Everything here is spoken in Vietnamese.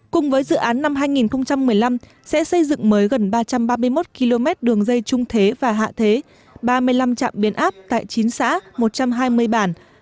cùng với dự án năm hai nghìn một mươi năm sẽ xây dựng mới gần ba trăm ba mươi một km đường dây trung thế và hạ thế ba mươi năm trạm biến áp tại chín xã một trăm hai mươi bản